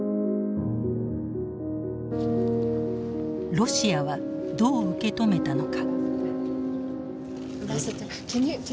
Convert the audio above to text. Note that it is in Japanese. ロシアはどう受け止めたのか。